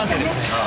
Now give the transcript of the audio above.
ああ。